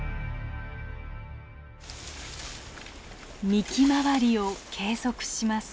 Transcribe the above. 幹周りを計測します。